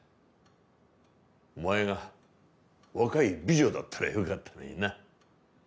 お前が若い美女だったらよかったのにな。